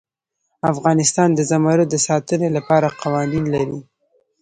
افغانستان د زمرد د ساتنې لپاره قوانین لري.